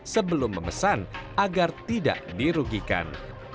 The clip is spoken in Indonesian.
sebelum memesan agar tidak dirugikan